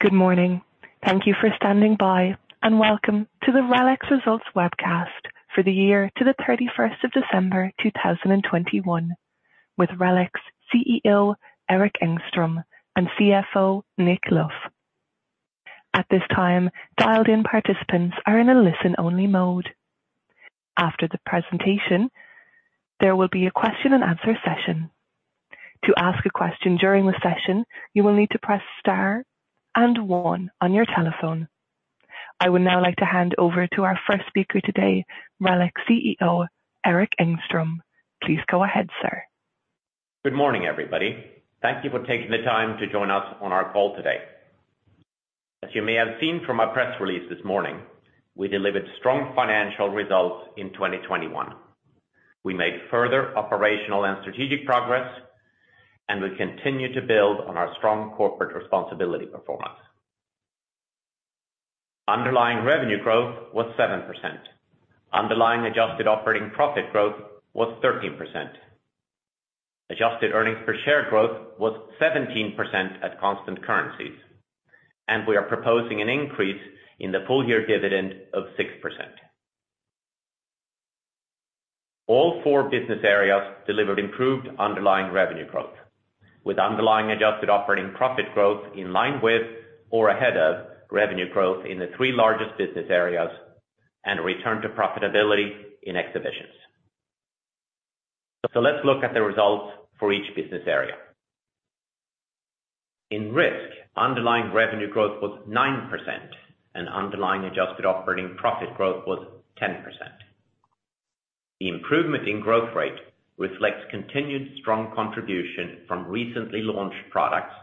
Good morning. Thank you for standing by, and welcome to the RELX Results Webcast for the year to December 31st, 2021 with RELX CEO, Erik Engstrom, and CFO, Nick Luff. At this time, dialed-in participants are in a listen-only mode. After the presentation, there will be a question-and-answer session. To ask a question during the session, you will need to press star and one on your telephone. I would now like to hand over to our first speaker today, RELX CEO, Erik Engstrom. Please go ahead, sir. Good morning, everybody. Thank you for taking the time to join us on our call today. As you may have seen from our press release this morning, we delivered strong financial results in 2021. We made further operational and strategic progress, and we continue to build on our strong corporate responsibility performance. Underlying revenue growth was 7%. Underlying adjusted operating profit growth was 13%. Adjusted earnings per share growth was 17% at constant currencies. We are proposing an increase in the full-year dividend of 6%. All four business areas delivered improved underlying revenue growth, with underlying adjusted operating profit growth in line with or ahead of revenue growth in the three largest business areas and a return to profitability in Exhibitions. Let's look at the results for each business area. In Risk, underlying revenue growth was 9% and underlying adjusted operating profit growth was 10%. The improvement in growth rate reflects continued strong contribution from recently launched products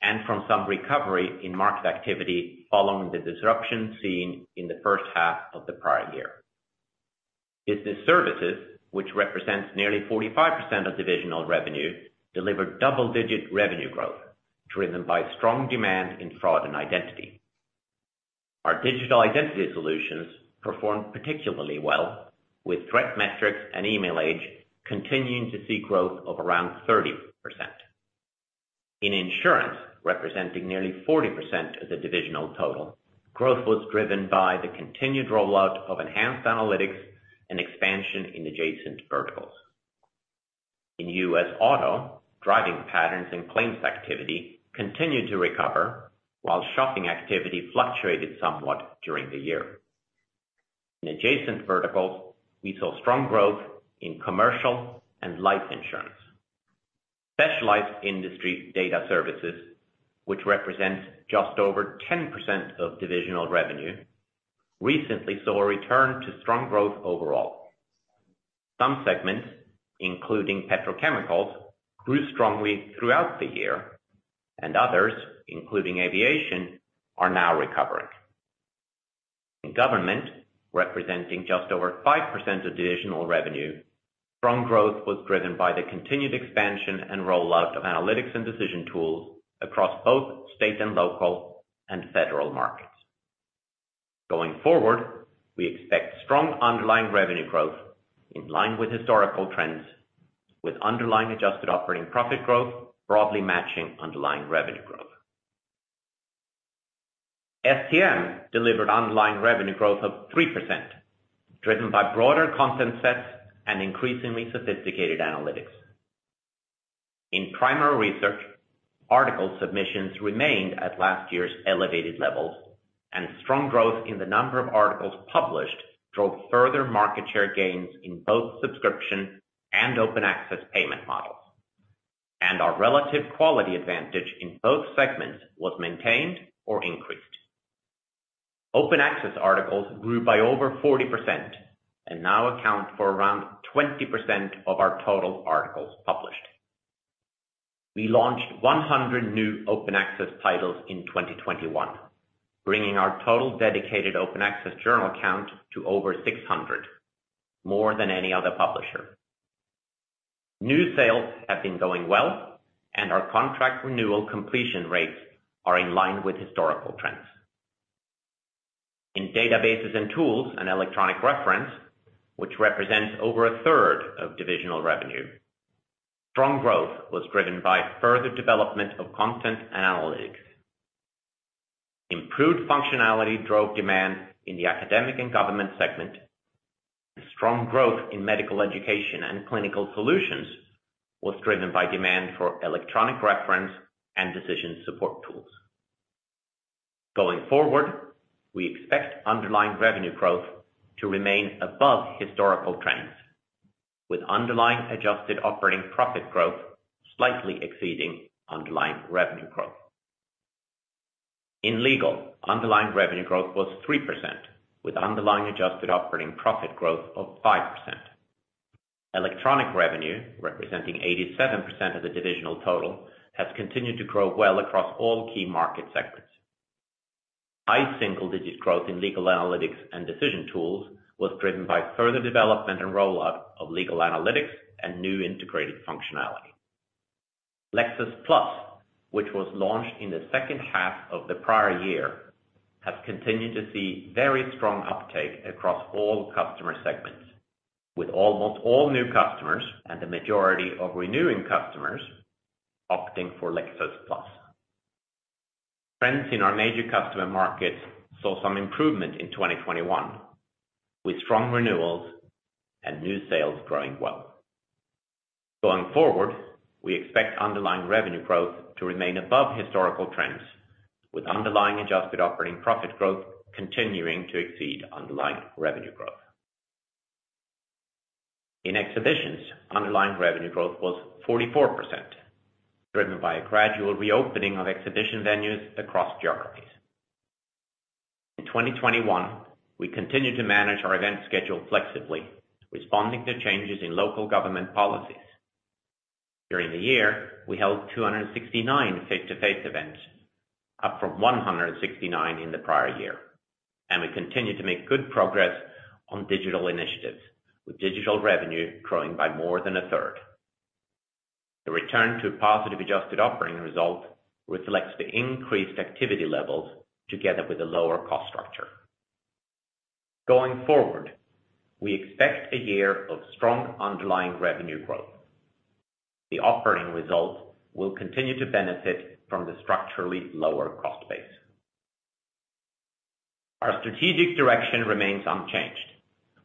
and from some recovery in market activity following the disruption seen in the first half of the prior year. Business Services, which represents nearly 45% of divisional revenue, delivered double-digit revenue growth driven by strong demand in fraud and identity. Our digital identity solutions performed particularly well with ThreatMetrix and Emailage continuing to see growth of around 30%. In Insurance, representing nearly 40% of the divisional total, growth was driven by the continued rollout of enhanced analytics and expansion in adjacent verticals. In U.S. auto, driving patterns and claims activity continued to recover while shopping activity fluctuated somewhat during the year. In Adjacent Verticals, we saw strong growth in commercial and life insurance. Specialized Industry Data Services, which represents just over 10% of divisional revenue, recently saw a return to strong growth overall. Some segments, including petrochemicals, grew strongly throughout the year, and others, including aviation, are now recovering. In Government, representing just over 5% of divisional revenue, strong growth was driven by the continued expansion and rollout of analytics and decision tools across both state and local and federal markets. Going forward, we expect strong underlying revenue growth in line with historical trends, with underlying adjusted operating profit growth broadly matching underlying revenue growth. STM delivered underlying revenue growth of 3%, driven by broader content sets and increasingly sophisticated analytics. In Primary Research, article submissions remained at last year's elevated levels and strong growth in the number of articles published drove further market share gains in both subscription and open access payment models. Our relative quality advantage in both segments was maintained or increased. Open access articles grew by over 40% and now account for around 20% of our total articles published. We launched 100 new open access titles in 2021, bringing our total dedicated open access journal count to over 600, more than any other publisher. New sales have been going well, and our contract renewal completion rates are in line with historical trends. In databases and tools, and electronic reference, which represents over a 1/3 of divisional revenue, strong growth was driven by further development of content and analytics. Improved functionality drove demand in the academic and government segment. Strong growth in medical education and clinical solutions was driven by demand for electronic reference and decision support tools. Going forward, we expect underlying revenue growth to remain above historical trends, with underlying adjusted operating profit growth slightly exceeding underlying revenue growth. In Legal, underlying revenue growth was 3%, with underlying adjusted operating profit growth of 5%. Electronic revenue, representing 87% of the divisional total, has continued to grow well across all key market segments. High single-digit growth in Legal analytics and decision tools was driven by further development and rollout of Legal analytics and new integrated functionality. Lexis+, which was launched in the second half of the prior year, has continued to see very strong uptake across all customer segments. With almost all new customers and the majority of renewing customers opting for Lexis+. Trends in our major customer markets saw some improvement in 2021, with strong renewals and new sales growing well. Going forward, we expect underlying revenue growth to remain above historical trends, with underlying adjusted operating profit growth continuing to exceed underlying revenue growth. In Exhibitions, underlying revenue growth was 44%, driven by a gradual reopening of exhibition venues across geographies. In 2021, we continued to manage our event schedule flexibly, responding to changes in local government policies. During the year, we held 269 face-to-face events, up from 169 in the prior year, and we continued to make good progress on digital initiatives, with digital revenue growing by more than a third. The return to positive adjusted operating result reflects the increased activity levels together with a lower cost structure. Going forward, we expect a year of strong underlying revenue growth. The operating results will continue to benefit from the structurally lower cost base. Our strategic direction remains unchanged.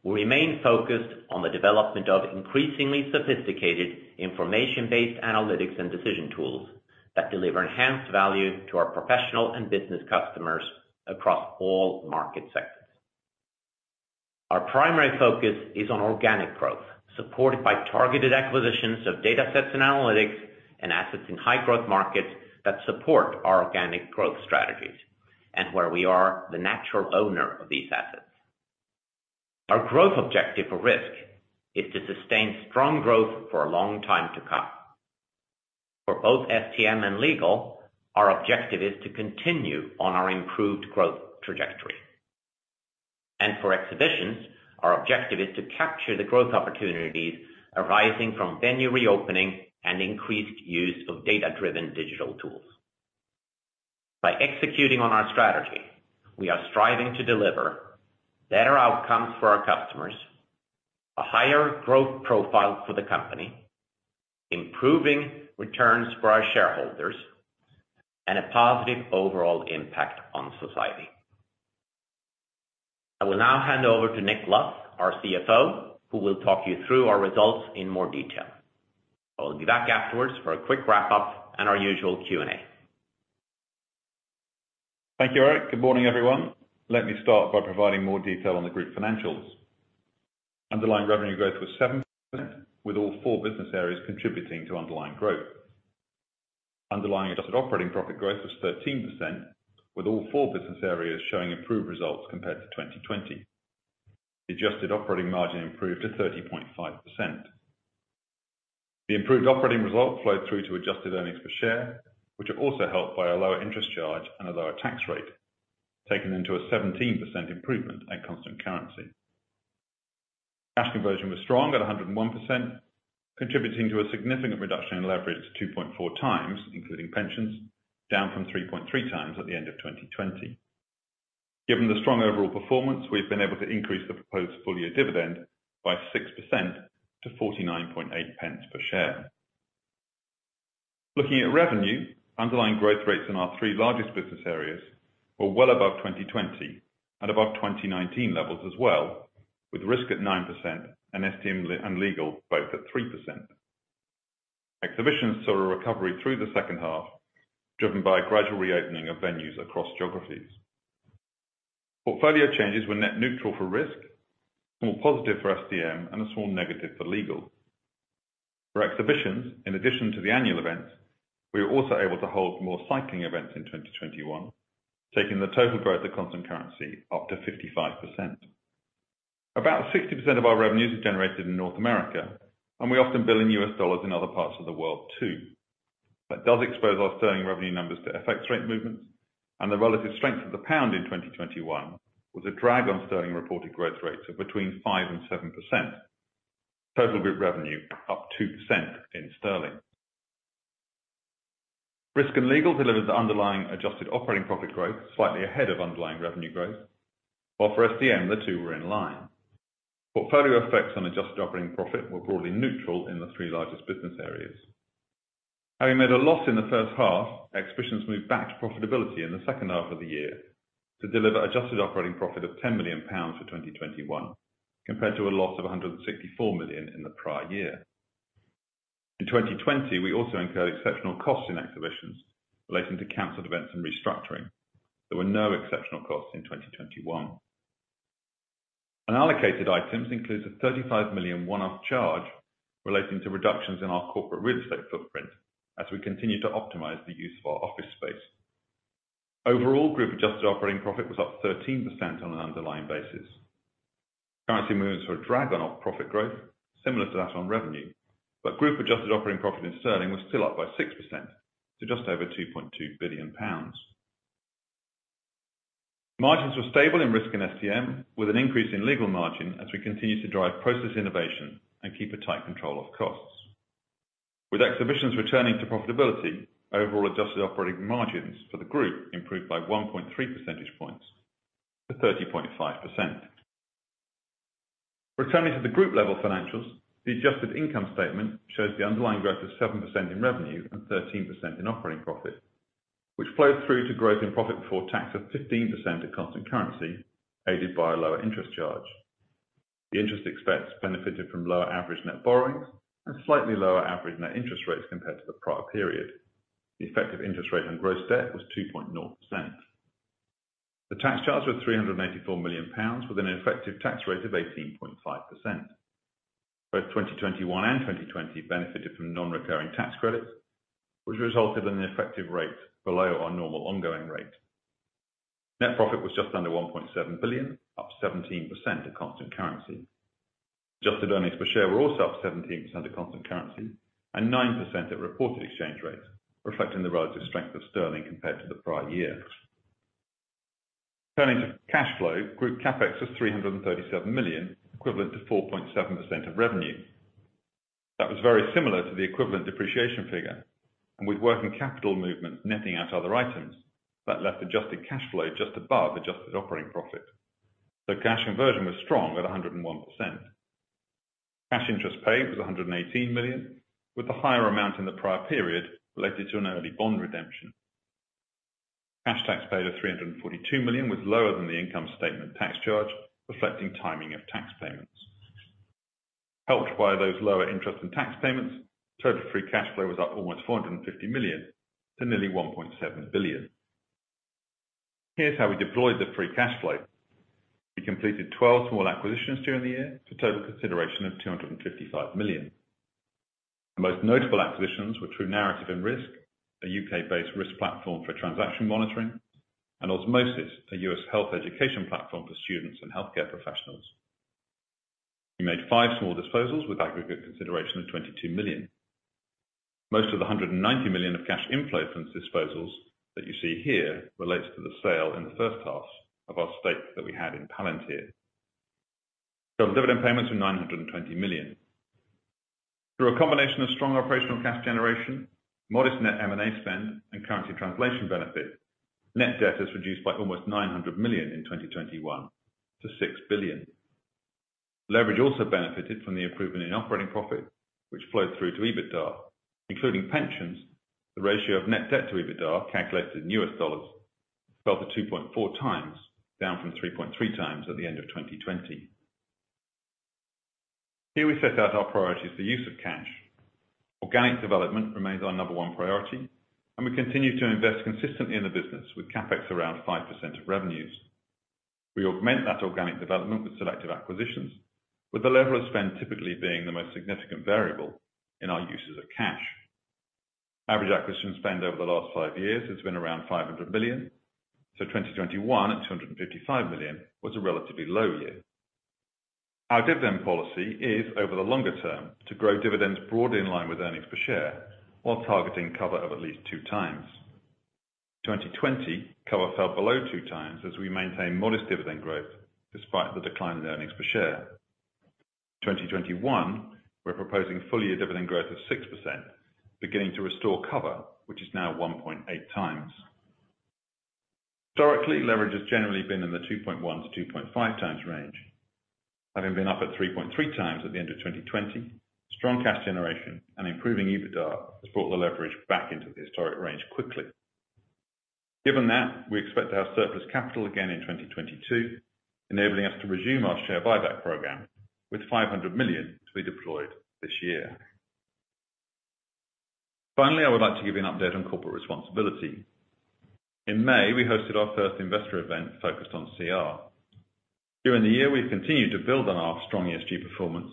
We remain focused on the development of increasingly sophisticated information-based analytics and decision tools that deliver enhanced value to our professional and business customers across all market sectors. Our primary focus is on organic growth, supported by targeted acquisitions of datasets and analytics and assets in high growth markets that support our organic growth strategies and where we are the natural owner of these assets. Our growth objective for Risk is to sustain strong growth for a long time to come. For both STM and Legal, our objective is to continue on our improved growth trajectory. For Exhibitions, our objective is to capture the growth opportunities arising from venue reopening and increased use of data-driven digital tools. By executing on our strategy, we are striving to deliver better outcomes for our customers, a higher growth profile for the company, improving returns for our shareholders, and a positive overall impact on society. I will now hand over to Nick Luff, our CFO, who will talk you through our results in more detail. I will be back afterwards for a quick wrap-up and our usual Q&A. Thank you, Erik. Good morning, everyone. Let me start by providing more detail on the group financials. Underlying revenue growth was 7%, with all four business areas contributing to underlying growth. Underlying adjusted operating profit growth was 13%, with all four business areas showing improved results compared to 2020. The adjusted operating margin improved to 30.5%. The improved operating result flowed through to adjusted earnings per share, which are also helped by a lower interest charge and a lower tax rate, taking them to a 17% improvement at constant currency. Cash conversion was strong at 101%, contributing to a significant reduction in leverage to 2.4x, including pensions, down from 3.3x at the end of 2020. Given the strong overall performance, we've been able to increase the proposed full-year dividend by 6% to 0.498 per share. Looking at revenue, underlying growth rates in our three largest business areas were well above 2020 and above 2019 levels as well, with Risk at 9% and STM and Legal both at 3%. Exhibitions saw a recovery through the second half, driven by gradual reopening of venues across geographies. Portfolio changes were net neutral for Risk, small positive for STM, and a small negative for Legal. For Exhibitions, in addition to the annual events, we were also able to hold more cycling events in 2021, taking the total growth of constant currency up to 55%. About 60% of our revenues are generated in North America, and we often bill in U.S. dollars in other parts of the world too. That does expose our sterling revenue numbers to FX rate movements, and the relative strength of the pound in 2021 was a drag on sterling-reported growth rates of between 5% and 7%. Total group revenue up 2% in sterling. Risk and Legal delivered the underlying adjusted operating profit growth slightly ahead of underlying revenue growth, while for STM, the two were in line. Portfolio effects on adjusted operating profit were broadly neutral in the three largest business areas. Having made a loss in the first half, Exhibitions moved back to profitability in the second half of the year to deliver adjusted operating profit of 10 million pounds for 2021, compared to a loss of 164 million in the prior year. In 2020, we also incurred exceptional costs in Exhibitions relating to canceled events and restructuring. There were no exceptional costs in 2021. Unallocated items includes a 35 million one-off charge relating to reductions in our corporate real estate footprint as we continue to optimize the use of our office space. Overall, group adjusted operating profit was up 13% on an underlying basis. Currency moves were a drag on operating profit growth, similar to that on revenue. Group adjusted operating profit in sterling was still up by 6% to just over 2.2 billion pounds. Margins were stable in Risk and STM with an increase in Legal margin as we continue to drive process innovation and keep a tight control of costs. With Exhibitions returning to profitability, overall adjusted operating margins for the group improved by 1.3 percentage points to 30.5%. Returning to the group level financials, the adjusted income statement shows the underlying growth of 7% in revenue and 13% in operating profit, which flows through to growth in profit before tax of 15% at constant currency, aided by a lower interest charge. The interest expense benefited from lower average net borrowings and slightly lower average net interest rates compared to the prior period. The effective interest rate on gross debt was 2.0%. The tax charge was GBP 384 million, with an effective tax rate of 18.5%. Both 2021 and 2020 benefited from non-recurring tax credits, which resulted in the effective rate below our normal ongoing rate. Net profit was just under 1.7 billion, up 17% at constant currency. Adjusted earnings per share were also up 17% at constant currency and 9% at reported exchange rates, reflecting the relative strength of sterling compared to the prior year. Turning to cash flow, group CapEx was 337 million, equivalent to 4.7% of revenue. That was very similar to the equivalent depreciation figure, and with working capital movement netting out other items, that left adjusted cash flow just above adjusted operating profit. The cash conversion was strong at 101%. Cash interest paid was 118 million, with the higher amount in the prior period related to an early bond redemption. Cash tax paid of 342 million was lower than the income statement tax charge, reflecting timing of tax payments. Helped by those lower interest and tax payments, total free cash flow was up almost 450 million to nearly 1.7 billion. Here's how we deployed the free cash flow. We completed 12 small acquisitions during the year, for total consideration of 255 million. The most notable acquisitions were TruNarrative, a U.K.-based risk platform for transaction monitoring, and Osmosis, a U.S. health education platform for students and healthcare professionals. We made five small disposals with aggregate consideration of 22 million. Most of the 190 million of cash inflow from disposals that you see here relates to the sale in the first half of our stake that we had in Palantir. Total dividend payments were 920 million. Through a combination of strong operational cash generation, modest net M&A spend, and currency translation benefit, net debt is reduced by almost 900 million in 2021 to 6 billion. Leverage also benefited from the improvement in operating profit, which flowed through to EBITDA. Including pensions, the ratio of net debt to EBITDA calculated in U.S. dollars fell to 2.4x, down from 3.3x at the end of 2020. Here we set out our priorities for use of cash. Organic development remains our number one priority, and we continue to invest consistently in the business with CapEx around 5% of revenues. We augment that organic development with selective acquisitions, with the level of spend typically being the most significant variable in our uses of cash. Average acquisition spend over the last five years has been around 500 million. 2021 at 255 million was a relatively low year. Our dividend policy is, over the longer term, to grow dividends broadly in line with earnings per share while targeting cover of at least 2x. In 2020, cover fell below 2x as we maintained modest dividend growth despite the decline in earnings per share. In 2021, we're proposing full year dividend growth of 6%, beginning to restore cover, which is now 1.8x. Historically, leverage has generally been in the 2.1x-2.5x range. Having been up at 3.3x at the end of 2020, strong cash generation and improving EBITDA has brought the leverage back into the historic range quickly. Given that, we expect to have surplus capital again in 2022, enabling us to resume our share buyback program with 500 million to be deployed this year. Finally, I would like to give you an update on corporate responsibility. In May, we hosted our first investor event focused on CR. During the year, we've continued to build on our strong ESG performance,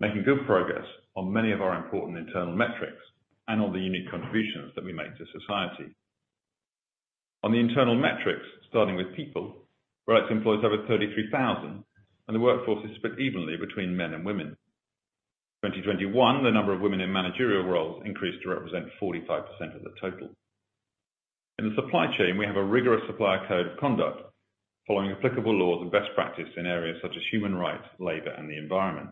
making good progress on many of our important internal metrics and on the unique contributions that we make to society. On the internal metrics, starting with people, RELX employs over 33,000, and the workforce is split evenly between men and women. In 2021, the number of women in managerial roles increased to represent 45% of the total. In the supply chain, we have a rigorous supplier code of conduct following applicable laws and best practice in areas such as human rights, labor, and the environment.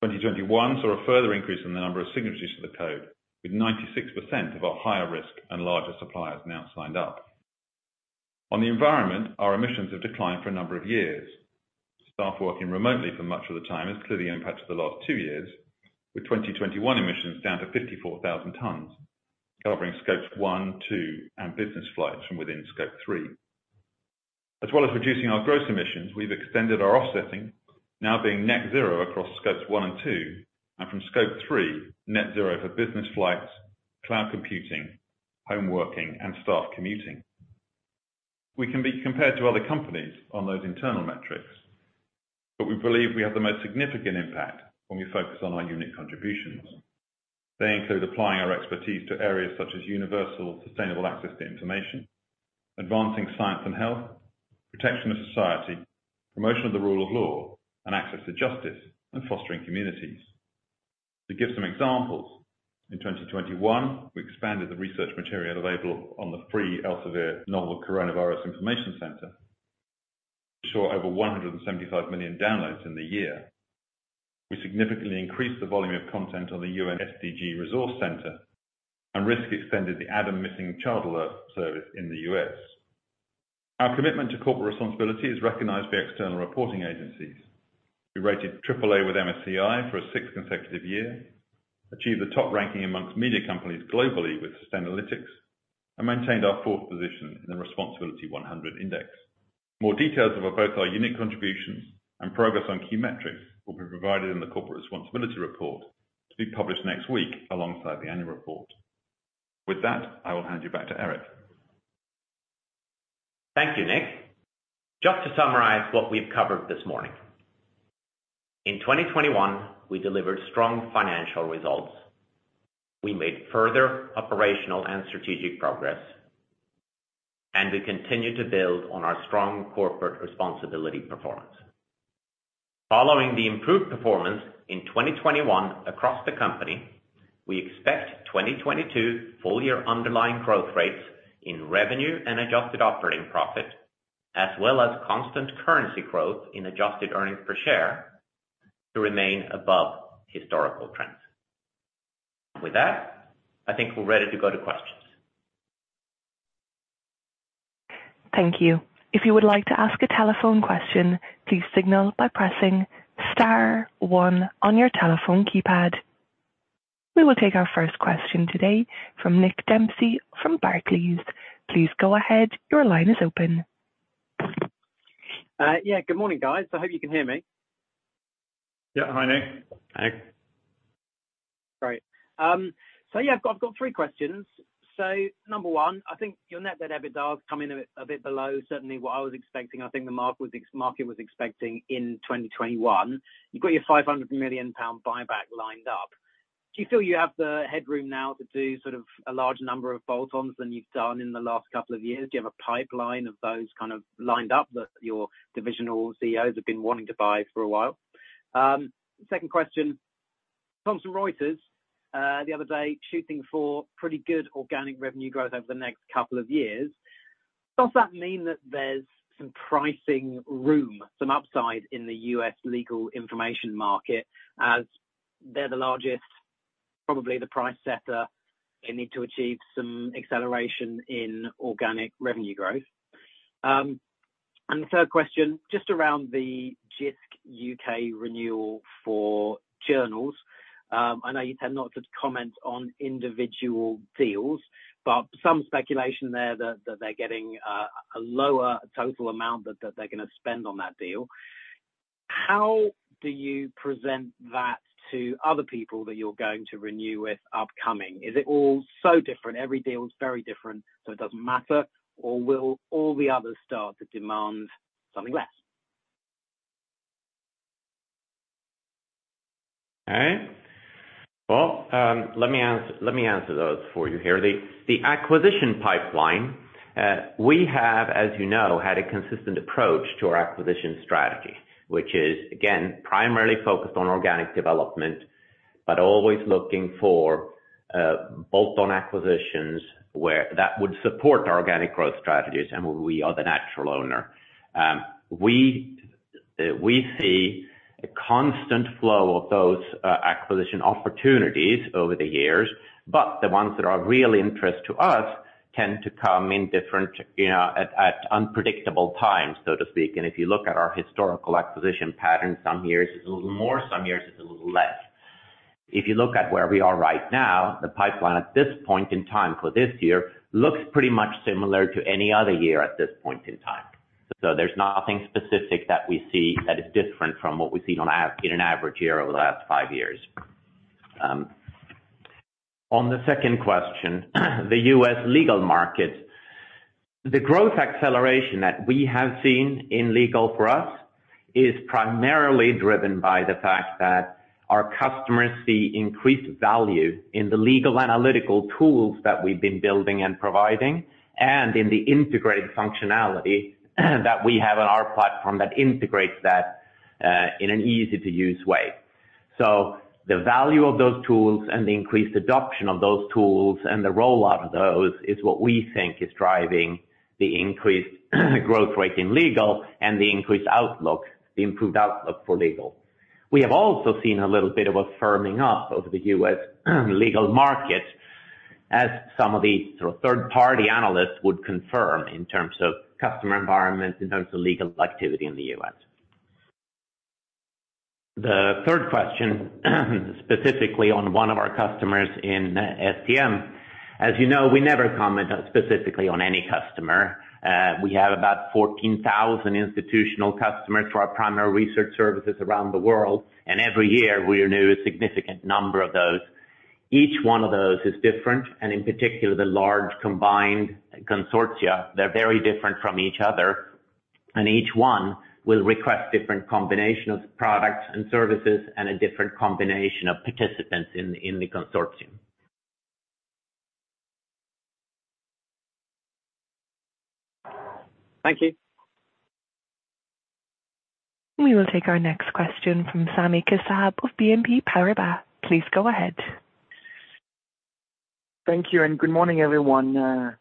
2021 saw a further increase in the number of signatories to the code, with 96% of our higher risk and larger suppliers now signed up. On the environment, our emissions have declined for a number of years. Staff working remotely for much of the time has clearly impacted the last two years, with 2021 emissions down to 54,000 tons, covering scopes one, two and business flights from within scope three. As well as reducing our gross emissions, we've extended our offsetting now being net zero across scopes one and two, and from scope three, net zero for business flights, cloud computing, home working, and staff commuting. We can be compared to other companies on those internal metrics, but we believe we have the most significant impact when we focus on our unique contributions. They include applying our expertise to areas such as universal sustainable access to information, advancing science and health, protection of society, promotion of the rule of law, and access to justice, and fostering communities. To give some examples, in 2021, we expanded the research material available on the free Elsevier Novel Coronavirus Information Center, showing over 175 million downloads in the year. We significantly increased the volume of content on the UN SDG Resource Centre and we extended the ADAM Missing Child alert service in the U.S. Our commitment to corporate responsibility is recognized by external reporting agencies. We rated triple A with MSCI for a sixth consecutive year, achieved the top ranking among media companies globally with Sustainalytics, and maintained our fourth position in the Responsibility100 Index. More details about our unique contributions and progress on key metrics will be provided in the corporate responsibility report to be published next week alongside the annual report. With that, I will hand you back to Eric. Thank you, Nick. Just to summarize what we've covered this morning. In 2021, we delivered strong financial results. We made further operational and strategic progress, and we continue to build on our strong corporate responsibility performance. Following the improved performance in 2021 across the company, we expect 2022 full year underlying growth rates in revenue and adjusted operating profit, as well as constant currency growth in adjusted earnings per share to remain above historical trends. With that, I think we're ready to go to questions. Thank you. If you would like to ask a telephone question, please signal by pressing star one on your telephone keypad. We will take our first question today from Nick Dempsey from Barclays. Please go ahead. Your line is open. Yeah, good morning, guys. I hope you can hear me. Yeah. Hi, Nick. Hi. Great. I've got three questions. Number one, I think your net debt EBITDA has come in a bit below certainly what I was expecting. I think the market was expecting in 2021. You've got your 500 million pound buyback lined up. Do you feel you have the headroom now to do sort of a large number of bolt-ons than you've done in the last couple of years? Do you have a pipeline of those kind of lined up that your divisional CEOs have been wanting to buy for a while? Second question, Thomson Reuters the other day shooting for pretty good organic revenue growth over the next couple of years. Does that mean that there's some pricing room, some upside in the U.S. legal information market as they're the largest, probably the price setter, they need to achieve some acceleration in organic revenue growth? The third question, just around the Jisc U.K. renewal for journals. I know you tend not to comment on individual deals, but some speculation there that they're getting a lower total amount that they're gonna spend on that deal. How do you present that to other people that you're going to renew with upcoming? Is it all so different? Every deal is very different, so it doesn't matter? Or will all the others start to demand something less? Okay. Well, let me answer those for you here. The acquisition pipeline, we have, as you know, had a consistent approach to our acquisition strategy, which is again, primarily focused on organic development, but always looking for bolt-on acquisitions where that would support our organic growth strategies, and we are the natural owner. We see a constant flow of those acquisition opportunities over the years, but the ones that are of real interest to us tend to come in different, you know, at unpredictable times, so to speak. If you look at our historical acquisition pattern, some years is a little more, some years is a little less. If you look at where we are right now, the pipeline at this point in time for this year looks pretty much similar to any other year at this point in time. There's nothing specific that we see that is different from what we see in an average year over the last five years. On the second question, the U.S. legal market, the growth acceleration that we have seen in Legal for us is primarily driven by the fact that our customers see increased value in the Legal analytical tools that we've been building and providing, and in the integrated functionality that we have on our platform that integrates that in an easy-to-use way. The value of those tools and the increased adoption of those tools and the rollout of those is what we think is driving the increased growth rate in Legal and the increased outlook, the improved outlook for Legal. We have also seen a little bit of a firming up of the U.S. legal market as some of the sort of third-party analysts would confirm in terms of customer environment, in terms of legal activity in the U.S. The third question, specifically on one of our customers in STM. As you know, we never comment specifically on any customer. We have about 14,000 institutional customers for our primary research services around the world, and every year we renew a significant number of those. Each one of those is different, and in particular, the large combined consortia, they're very different from each other, and each one will request different combination of products and services and a different combination of participants in the consortium. Thank you. We will take our next question from Sami Kassab of BNP Paribas. Please go ahead. Thank you and good morning, everyone. I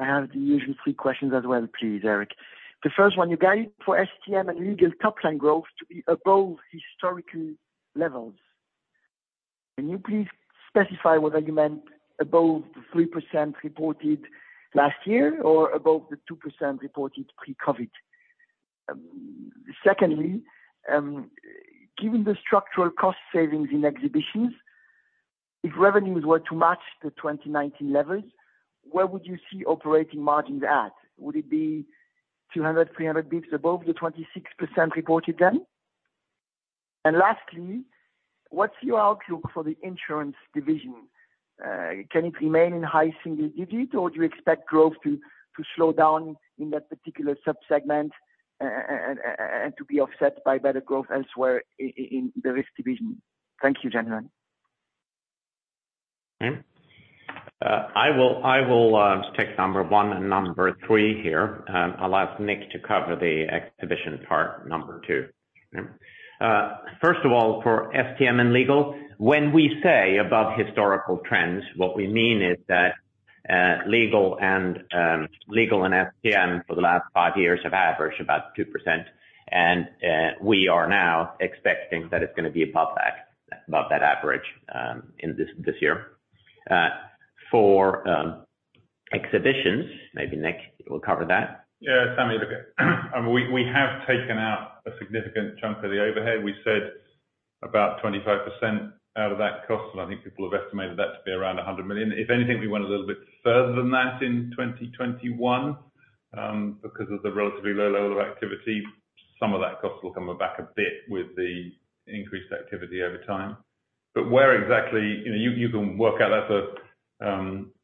have the usual three questions as well, please, Eric. The first one, you guide for STM and Legal top line growth to be above historical levels. Can you please specify what, above the 3% reported last year or above the 2% reported pre-COVID? Secondly, given the structural cost savings in Exhibitions, if revenues were to match the 2019 levels, where would you see operating margins at? Would it be 200-300 bps above the 26% reported then? Lastly, what's your outlook for the insurance division? Can it remain in high single digits, or do you expect growth to slow down in that particular sub-segment and to be offset by better growth elsewhere in the Risk division? Thank you, gentlemen. Okay. I will just take number one and number three here, I'll ask Nick to cover the exhibition part number two. First of all, for STM and Legal, when we say above historical trends, what we mean is that Legal and STM for the last five years have averaged about 2%. We are now expecting that it's gonna be above that average in this year. For Exhibitions, maybe Nick will cover that. Sami, we have taken out a significant chunk of the overhead. We said about 25% out of that cost, and I think people have estimated that to be around 100 million. If anything, we went a little bit further than that in 2021 because of the relatively low level of activity. Some of that cost will come back a bit with the increased activity over time. You can work out that's a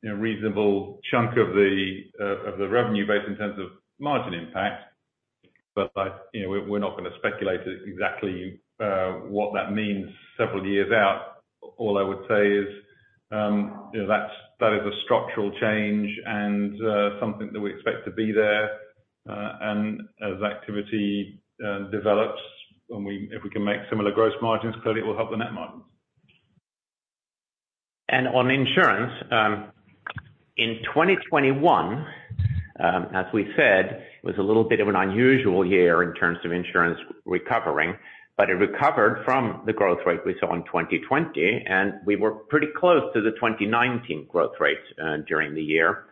you know reasonable chunk of the revenue base in terms of margin impact. You know, we're not gonna speculate exactly what that means several years out. All I would say is, you know, that's a structural change and something that we expect to be there. As activity develops, if we can make similar gross margins, clearly it will help the net margins. On insurance, in 2021, as we said, it was a little bit of an unusual year in terms of insurance recovering, but it recovered from the growth rate we saw in 2020, and we were pretty close to the 2019 growth rate during the year.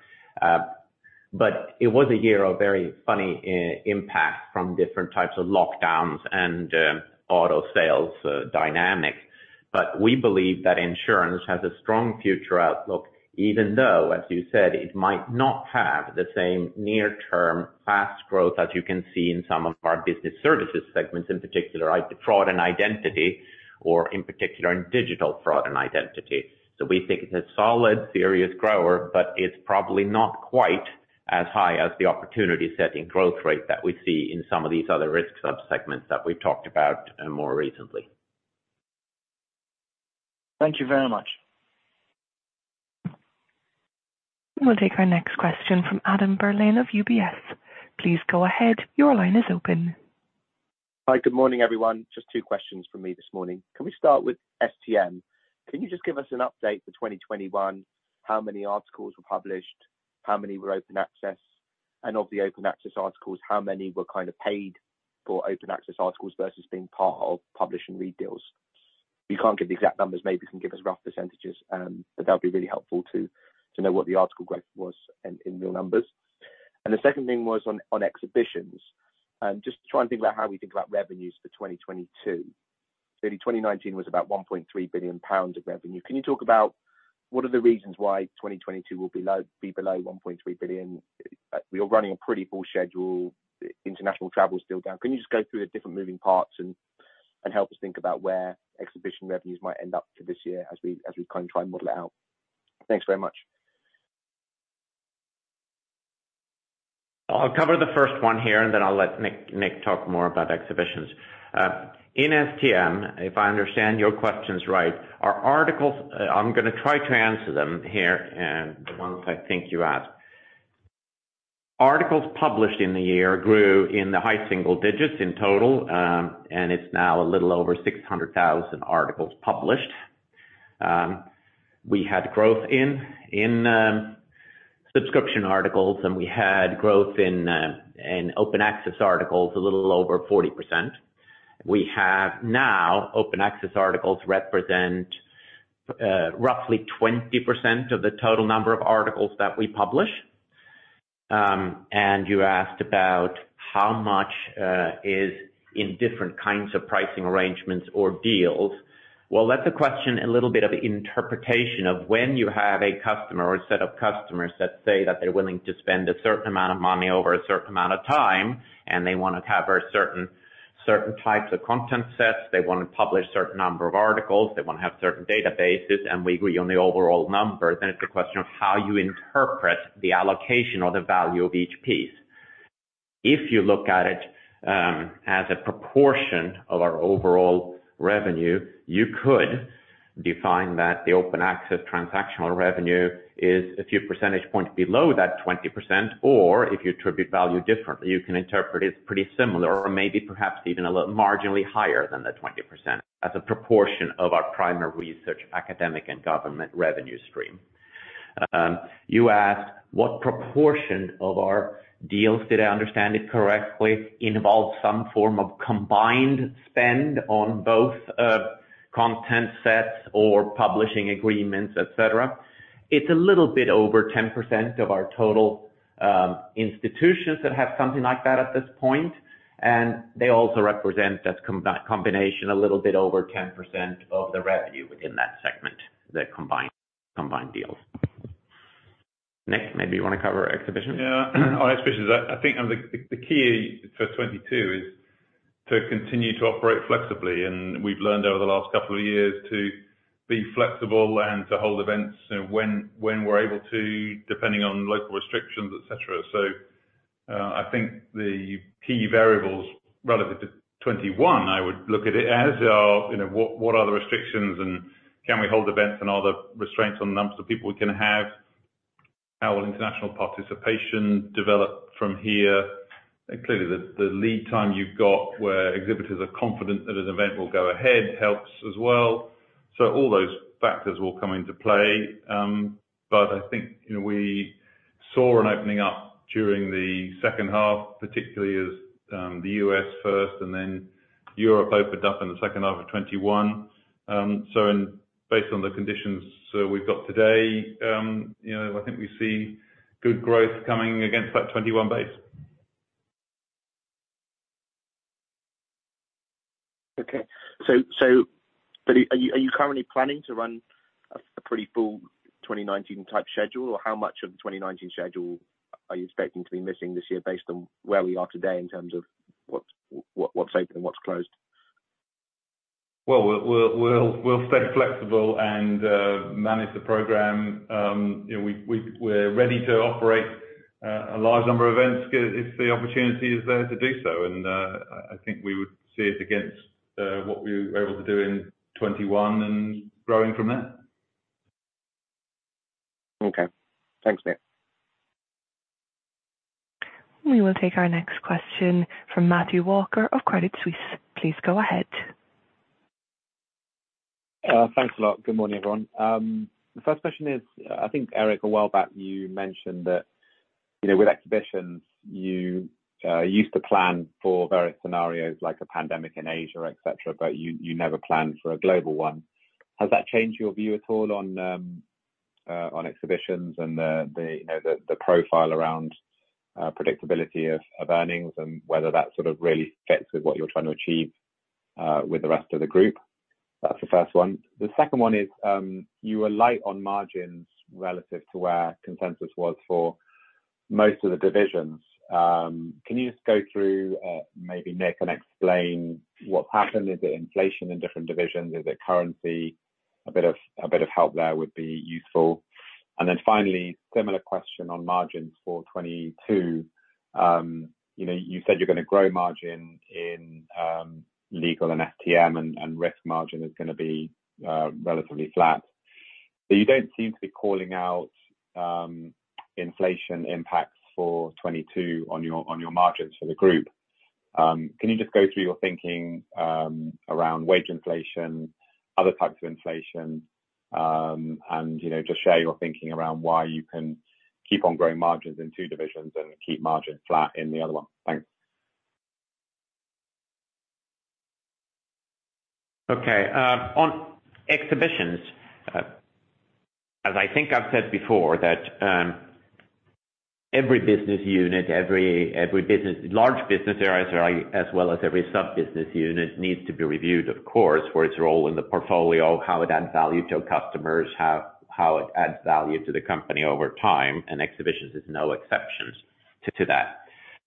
It was a year of very funny impact from different types of lockdowns and auto sales dynamics. We believe that insurance has a strong future outlook, even though, as you said, it might not have the same near-term fast growth as you can see in some of our business services segments, in particular, like the fraud and identity or in particular in digital fraud and identity. We think it's a solid, serious grower, but it's probably not quite as high as the opportunity-setting growth rate that we see in some of these other Risk sub-segments that we've talked about, more recently. Thank you very much. We'll take our next question from Adam Berlin of UBS. Please go ahead. Your line is open. Hi, good morning, everyone. Just two questions from me this morning. Can we start with STM? Can you just give us an update for 2021? How many articles were published? How many were open access? And of the open access articles, how many were kind of paid for open access articles versus being part of publish and read deals? If you can't give the exact numbers, maybe you can give us rough percentages, but that'll be really helpful to know what the article growth was in real numbers. The second thing was on Exhibitions. Just trying to think about how we think about revenues for 2022. Clearly 2019 was about 1.3 billion pounds of revenue. Can you talk about what are the reasons why 2022 will be below 1.3 billion? You're running a pretty full schedule. International travel is still down. Can you just go through the different moving parts and help us think about where exhibition revenues might end up for this year as we kind of try and model it out? Thanks very much. I'll cover the first one here, and then I'll let Nick talk more about Exhibitions. In STM, if I understand your questions right, I'm gonna try to answer them here, the ones I think you asked. Articles published in the year grew in the high single digits in total, and it's now a little over 600,000 articles published. We had growth in subscription articles, and we had growth in open access articles, a little over 40%. We have now open access articles represent roughly 20% of the total number of articles that we publish. You asked about how much is in different kinds of pricing arrangements or deals. Well, that's a question, a little bit of interpretation of when you have a customer or a set of customers that say that they're willing to spend a certain amount of money over a certain amount of time, and they wanna have certain types of content sets, they wanna publish certain number of articles, they wanna have certain databases, and we agree on the overall number, then it's a question of how you interpret the allocation or the value of each piece. If you look at it as a proportion of our overall revenue, you could define that the open access transactional revenue is a few percentage points below that 20%. If you attribute value differently, you can interpret it's pretty similar or maybe perhaps even a little marginally higher than the 20% as a proportion of our primary research, academic and government revenue stream. You asked what proportion of our deals, did I understand it correctly, involve some form of combined spend on both content sets or publishing agreements, et cetera. It's a little bit over 10% of our total institutions that have something like that at this point, and they also represent as a combination a little bit over 10% of the revenue within that segment, that combined deals. Nick, maybe you wanna cover exhibition? Yeah. On Exhibitions, I think on the key for 2022 is to continue to operate flexibly. We've learned over the last couple of years to be flexible and to hold events, you know, when we're able to, depending on local restrictions, et cetera. I think the key variables relative to 2021, I would look at it as, you know, what are the restrictions, and can we hold events? And are there restraints on the numbers of people we can have? How will international participation develop from here? And clearly the lead time you've got, where exhibitors are confident that an event will go ahead, helps as well. All those factors will come into play. I think, you know, we saw an opening up during the second half, particularly as the U.S. first, and then Europe opened up in the second half of 2021. Based on the conditions we've got today, you know, I think we see good growth coming against that 2021 base. Okay. Are you currently planning to run a pretty full 2019 type schedule? Or how much of the 2019 schedule are you expecting to be missing this year based on where we are today in terms of what's open and what's closed? Well, we'll stay flexible and manage the program. You know, we're ready to operate a large number of events if the opportunity is there to do so. I think we would see it against what we were able to do in 2021 and growing from there. Okay. Thanks, Nick. We will take our next question from Matthew Walker of Credit Suisse. Please go ahead. Thanks a lot. Good morning, everyone. The first question is, I think, Eric, a while back, you mentioned that, you know, with Exhibitions, you used to plan for various scenarios like a pandemic in Asia, et cetera, but you never planned for a global one. Has that changed your view at all on Exhibitions and the profile around predictability of earnings and whether that sort of really fits with what you're trying to achieve with the rest of the group? That's the first one. The second one is, you were light on margins relative to where consensus was for most of the divisions. Can you just go through, maybe Nick, and explain what's happened? Is it inflation in different divisions? Is it currency? A bit of help there would be useful. Finally, similar question on margins for 2022. You know, you said you're gonna grow margin in Legal and STM, and Risk margin is gonna be relatively flat. You don't seem to be calling out inflation impacts for 2022 on your margins for the group. Can you just go through your thinking around wage inflation, other types of inflation? You know, just share your thinking around why you can keep on growing margins in two divisions and keep margins flat in the other one. Thanks. Okay. On Exhibitions, as I think I've said before, that every business unit, every large business area as well as every sub business unit, needs to be reviewed, of course, for its role in the portfolio, how it adds value to our customers, how it adds value to the company over time, and Exhibitions is no exception to that.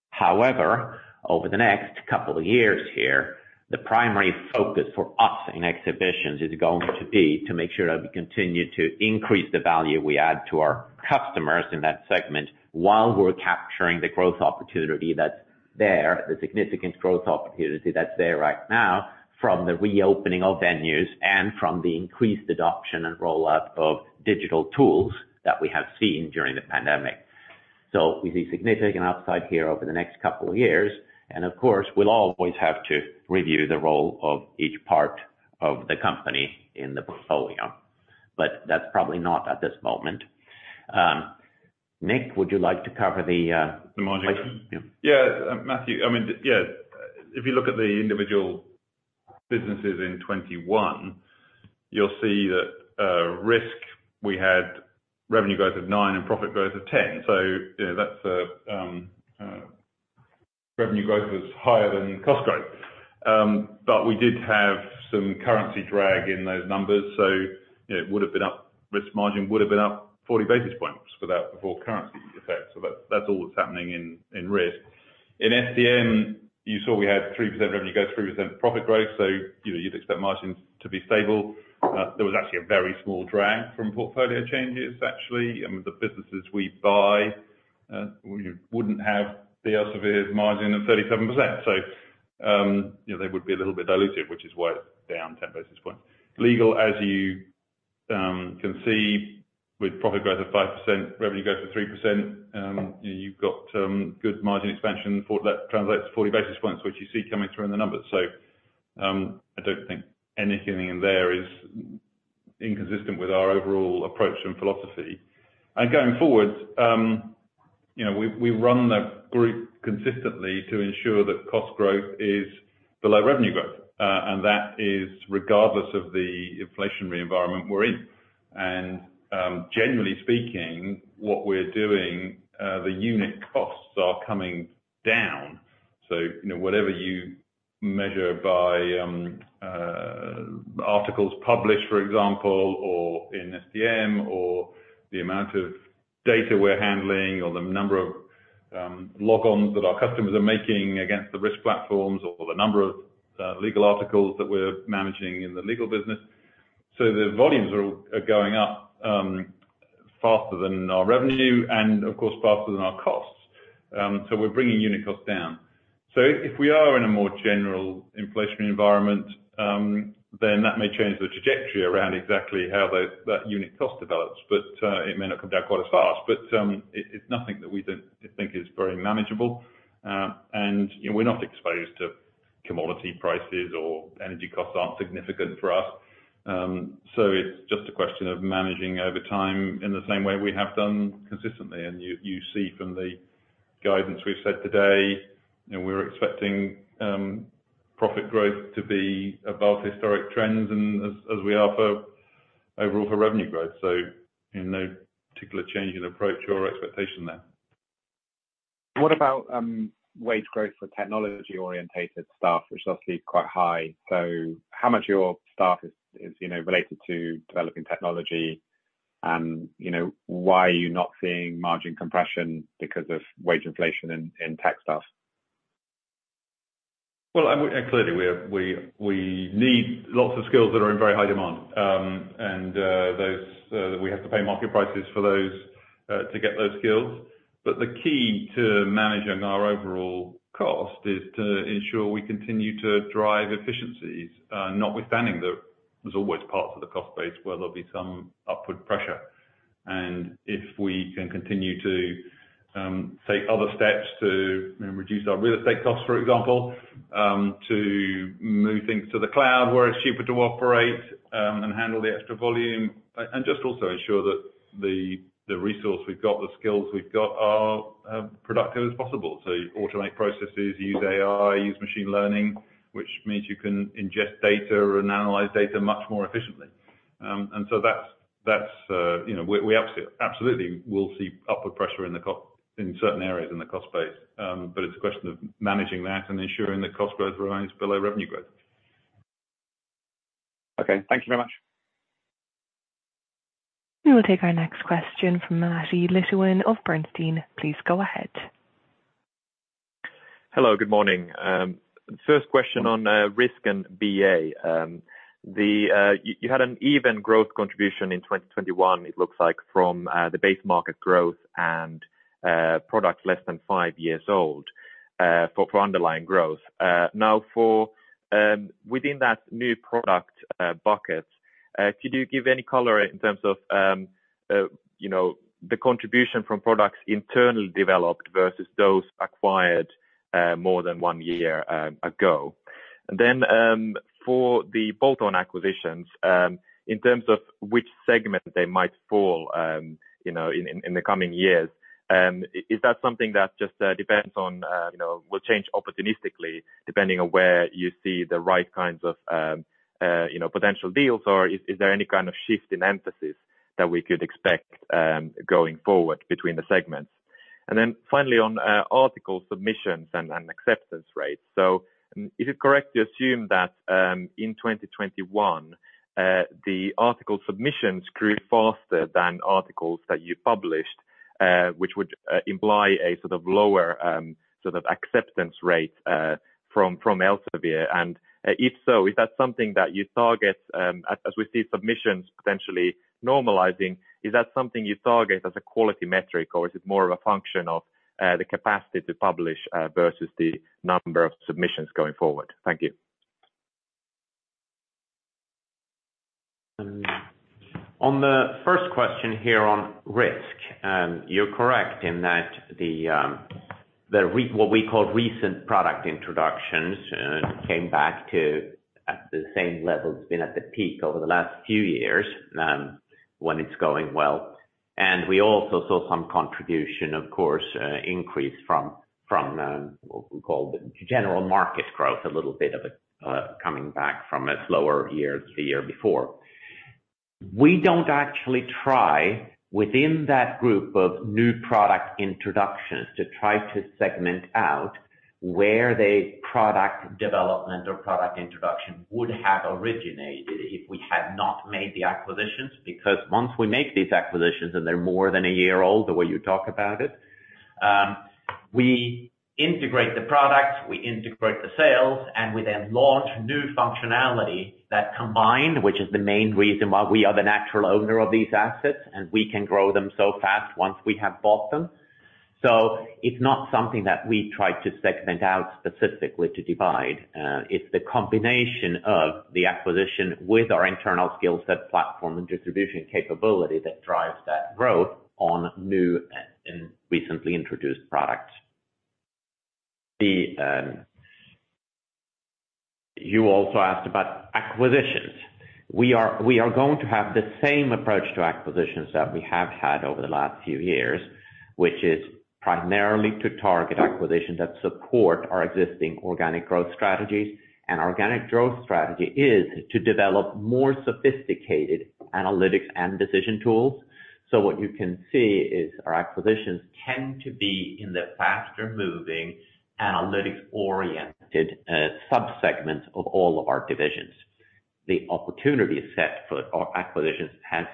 However, over the next couple of years here, the primary focus for us in Exhibitions is going to be to make sure that we continue to increase the value we add to our customers in that segment while we're capturing the growth opportunity that's there, the significant growth opportunity that's there right now from the reopening of venues and from the increased adoption and rollout of digital tools that we have seen during the pandemic. We see significant upside here over the next couple of years, and of course, we'll always have to review the role of each part of the company in the portfolio. That's probably not at this moment. Nick, would you like to cover the The margin? Yeah. Matthew. I mean, if you look at the individual businesses in 2021, you'll see that Risk, we had revenue growth of 9% and profit growth of 10%. You know, that's revenue growth was higher than cost growth. But we did have some currency drag in those numbers, so you know, it would've been up, Risk margin would've been up 40 basis points for that, before currency effect. That's all that's happening in Risk. In STM, you saw we had 3% revenue go through to then profit growth, so you know, you'd expect margins to be stable. There was actually a very small drag from portfolio changes, actually. I mean, the businesses we buy, you wouldn't have the severe margin of 37%. They would be a little bit diluted, which is why it's down 10 basis points. Legal, as you can see, with profit growth of 5%, revenue growth of 3%, you've got good margin expansion. That translates to 40 basis points, which you see coming through in the numbers. I don't think anything in there is inconsistent with our overall approach and philosophy. Going forward, you know, we run the group consistently to ensure that cost growth is below revenue growth. That is regardless of the inflationary environment we're in. Generally speaking, what we're doing, the unit costs are coming down. You know, whatever you measure by, articles published, for example, or in STM, or the amount of data we're handling or the number of logons that our customers are making against the Risk platforms or the number of legal articles that we're managing in the Legal business. The volumes are going up faster than our revenue and of course faster than our costs. We're bringing unit costs down. If we are in a more general inflationary environment, then that may change the trajectory around exactly how that unit cost develops. But it's nothing that we don't think is very manageable. And you know, we're not exposed to commodity prices or energy costs aren't significant for us. It's just a question of managing over time in the same way we have done consistently. You see from the guidance we've said today, you know, we're expecting profit growth to be above historic trends and as we are for overall revenue growth. You know, particular change in approach or expectation there. What about wage growth for technology-oriented staff, which is obviously quite high. How much of your staff is, you know, related to developing technology and, you know, why are you not seeing margin compression because of wage inflation in tech staff? Clearly we need lots of skills that are in very high demand. Those we have to pay market prices for those to get those skills. The key to managing our overall cost is to ensure we continue to drive efficiencies, notwithstanding that there's always parts of the cost base where there'll be some upward pressure. If we can continue to take other steps to, you know, reduce our real estate costs, for example, to move things to the cloud where it's cheaper to operate and handle the extra volume. Just also ensure that the resource we've got, the skills we've got are productive as possible. Automate processes, use AI, use machine learning, which means you can ingest data and analyze data much more efficiently. That's you know we absolutely will see upward pressure in certain areas in the cost base. It's a question of managing that and ensuring the cost growth remains below revenue growth. Okay. Thank you very much. We will take our next question from Matti Littunen of AllianceBernstein. Please go ahead. Hello, good morning. First question on Risk and BA. You had an even growth contribution in 2021, it looks like from the base market growth and products less than five years old for underlying growth. Now, within that new product bucket, could you give any color in terms of you know the contribution from products internally developed versus those acquired more than one year ago? For the bolt-on acquisitions in terms of which segment they might fall you know in the coming years, is that something that just depends on you know will change opportunistically depending on where you see the right kinds of you know potential deals? Is there any kind of shift in emphasis that we could expect going forward between the segments? Finally on article submissions and acceptance rates. Is it correct to assume that in 2021 the article submissions grew faster than articles that you published, which would imply a sort of lower sort of acceptance rate from Elsevier? If so, is that something that you target as we see submissions potentially normalizing, is that something you target as a quality metric, or is it more of a function of the capacity to publish versus the number of submissions going forward? Thank you. On the first question here on Risk, you're correct in that what we call recent product introductions came back to the same level it's been at the peak over the last few years, when it's going well. We also saw some contribution from the increase from what we call the general market growth, a little bit of it coming back from a slower year to the year before. We don't actually try within that group of new product introductions to try to segment out where the product development or product introduction would have originated if we had not made the acquisitions. Because once we make these acquisitions, and they're more than a year old, the way you talk about it, we integrate the products, we integrate the sales, and we then launch new functionality that combine, which is the main reason why we are the natural owner of these assets, and we can grow them so fast once we have bought them. It's not something that we try to segment out specifically to divide. It's the combination of the acquisition with our internal skill set platform and distribution capability that drives that growth on new and recently introduced products. You also asked about acquisitions. We are going to have the same approach to acquisitions that we have had over the last few years, which is primarily to target acquisitions that support our existing organic growth strategies. Organic growth strategy is to develop more sophisticated analytics and decision tools. What you can see is our acquisitions tend to be in the faster-moving, analytics-oriented subsegments of all of our divisions. The opportunity set for our acquisitions has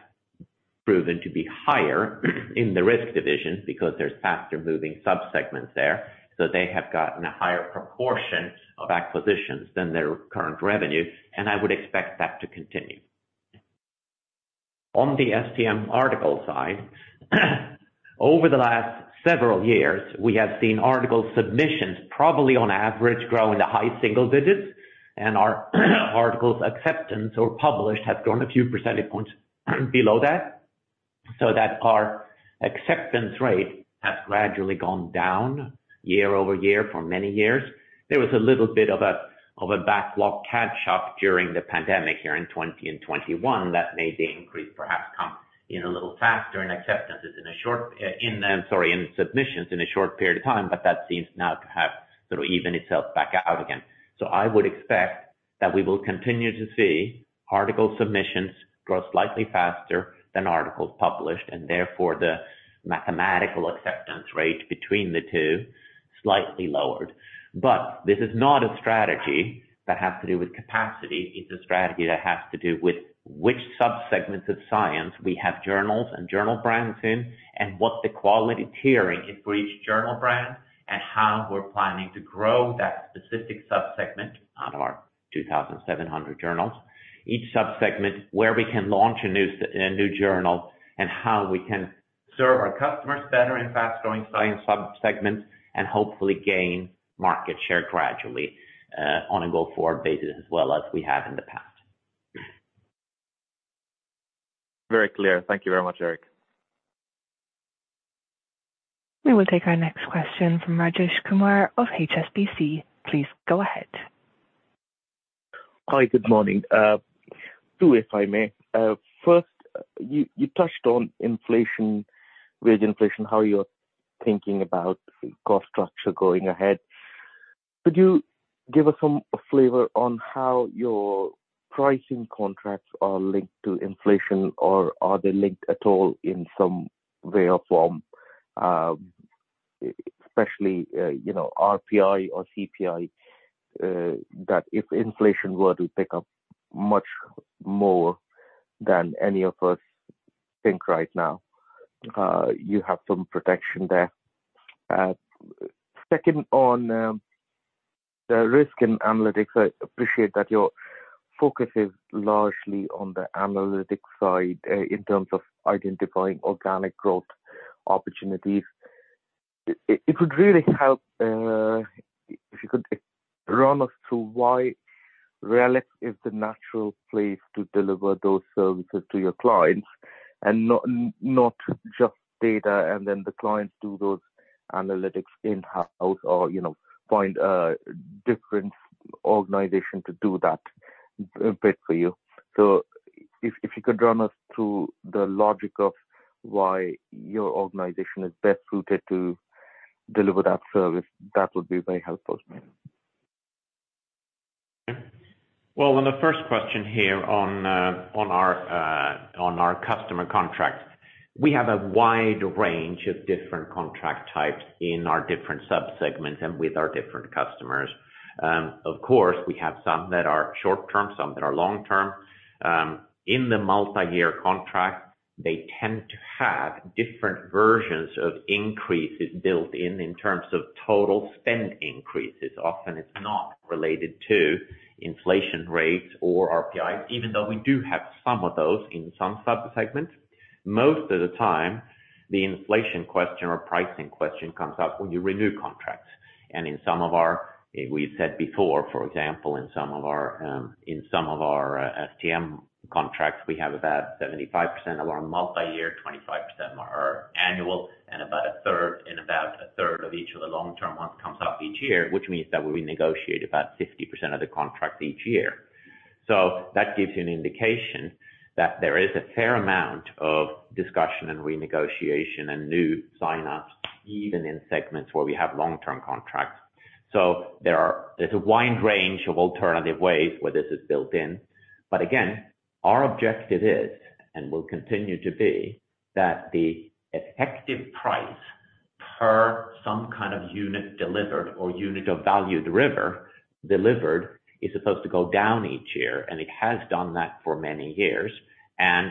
proven to be higher in the Risk division because there's faster-moving subsegments there. They have gotten a higher proportion of acquisitions than their current revenue, and I would expect that to continue. On the STM article side, over the last several years, we have seen article submissions probably on average grow in the high single digits. Our articles acceptance or published have grown a few percentage points below that, so that our acceptance rate has gradually gone down year-over-year for many years. There was a little bit of a backlog catch-up during the pandemic here in 2020 and 2021 that made the increase perhaps come in a little faster in submissions in a short period of time, but that seems now to have sort of evened itself back out again. I would expect that we will continue to see article submissions grow slightly faster than articles published, and therefore the mathematical acceptance rate between the two slightly lowered. This is not a strategy that has to do with capacity. It's a strategy that has to do with which subsegments of science we have journals and journal brands in, and what the quality tiering is for each journal brand, and how we're planning to grow that specific subsegment out of our 2,700 journals. Each subsegment where we can launch a new journal, and how we can serve our customers better in fast-growing science subsegments and hopefully gain market share gradually, on a go-forward basis as well as we have in the past. Very clear. Thank you very much, Erik. We will take our next question from Rajesh Kumar of HSBC. Please go ahead. Hi. Good morning. Two, if I may. First, you touched on inflation, wage inflation, how you're thinking about cost structure going ahead. Could you give us some flavor on how your pricing contracts are linked to inflation or are they linked at all in some way or form? Especially, you know, RPI or CPI, that if inflation were to pick up much more than any of us think right now, you have some protection there. Second, on the Risk and analytics, I appreciate that your focus is largely on the analytics side, in terms of identifying organic growth opportunities. It would really help if you could run us through why RELX is the natural place to deliver those services to your clients and not just data and then the clients do those analytics in-house or, you know, find a different organization to do that bit for you. If you could run us through the logic of why your organization is best suited to deliver that service, that would be very helpful to me. Well, on the first question here on our customer contracts, we have a wide range of different contract types in our different subsegments and with our different customers. Of course, we have some that are short-term, some that are long-term. In the multiyear contract, they tend to have different versions of increases built in in terms of total spend increases. Often it's not related to inflation rates or RPI, even though we do have some of those in some subsegments. Most of the time, the inflation question or pricing question comes up when you renew contracts. We said before, for example, in some of our STM contracts, we have about 75% of our multi-year, 25% are annual, and about a third of each of the long-term ones comes up each year, which means that we negotiate about 50% of the contracts each year. That gives you an indication that there is a fair amount of discussion and renegotiation and new sign-ups even in segments where we have long-term contracts. There is a wide range of alternative ways where this is built in. Again, our objective is, and will continue to be, that the effective price per some kind of unit delivered or unit of value delivered is supposed to go down each year, and it has done that for many years.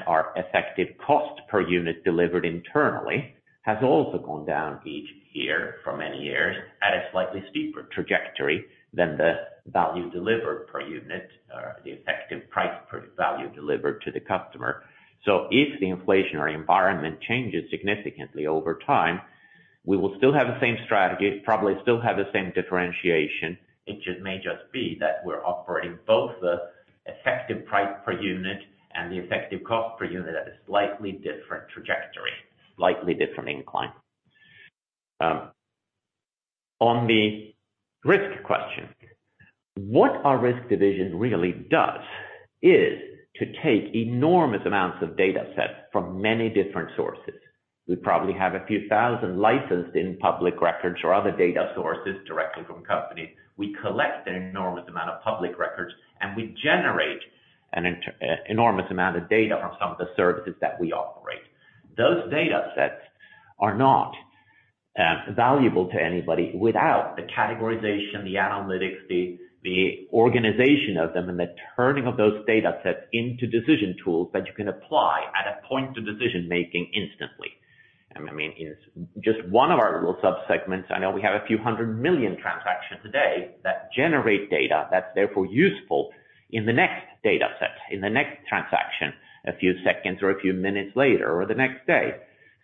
Our effective cost per unit delivered internally has also gone down each year for many years at a slightly steeper trajectory than the value delivered per unit or the effective price per value delivered to the customer. If the inflationary environment changes significantly over time, we will still have the same strategy, probably still have the same differentiation. It just may just be that we're operating both the effective price per unit and the effective cost per unit at a slightly different trajectory, slightly different incline. On the Risk question, what our Risk division really does is to take enormous amounts of data sets from many different sources. We probably have a few thousand licensed in public records or other data sources directly from companies. We collect an enormous amount of public records, and we generate an enormous amount of data from some of the services that we operate. Those data sets are not valuable to anybody without the categorization, the analytics, the organization of them and the turning of those data sets into decision tools that you can apply at a point of decision-making instantly. I mean, in just one of our little subsegments, I know we have a few hundred million transactions a day that generate data that's therefore useful in the next data set, in the next transaction, a few seconds or a few minutes later or the next day.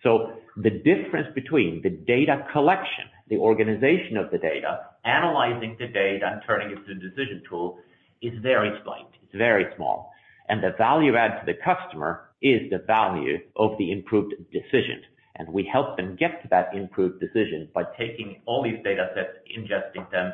The difference between the data collection, the organization of the data, analyzing the data and turning it into a decision tool is very slight. It's very small. The value add to the customer is the value of the improved decision. We help them get to that improved decision by taking all these data sets, ingesting them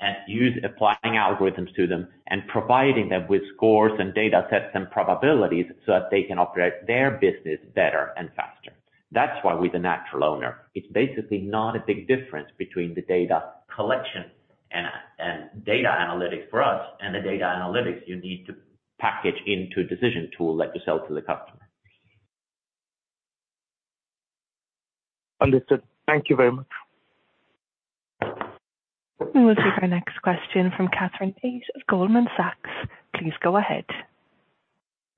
and applying algorithms to them and providing them with scores and data sets and probabilities so that they can operate their business better and faster. That's why we're the natural owner. It's basically not a big difference between the data collection and data analytics for us and the data analytics you need to package into a decision tool that you sell to the customer. Understood. Thank you very much. We'll take our next question from Catherine Page of Goldman Sachs. Please go ahead.